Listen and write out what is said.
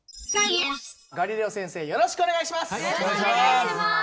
ガリレオ先生よろしくお願いします！